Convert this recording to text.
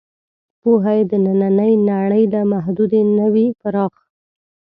پوهه یې د نننۍ نړۍ له محدودې نه وي پراخ.